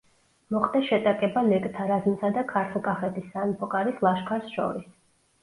მოხდა შეტაკება ლეკთა რაზმსა და ქართლ-კახეთის სამეფო კარის ლაშქარს შორის.